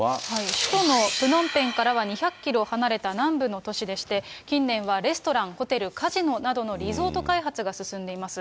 首都のプノンペンからは２００キロ離れた南部の都市でして、近年はレストラン、ホテル、カジノなどのリゾート開発が進んでいます。